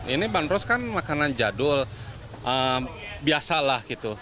ini bandros kan makanan jadul biasalah gitu